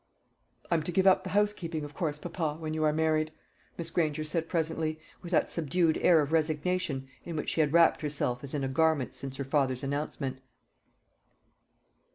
"I am to give up the housekeeping, of course, papa, when you are married," Miss Granger said presently, with that subdued air of resignation in which she had wrapped herself as in a garment since her father's announcement.